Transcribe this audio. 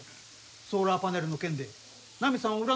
ソーラーパネルの件でナミさんを恨んどったんやろ？